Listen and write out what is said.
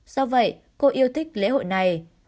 do vậy cô yêu thích lễ hội này